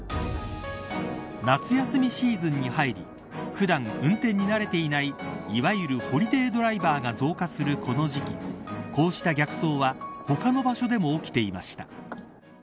夏休みシーズンに入り普段運転に慣れていないいわゆるホリデードライバーが増加するこの時期こうした逆走は他の場所でも起きていました。